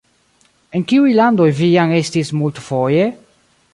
En kiuj landoj vi jam estis multfoje?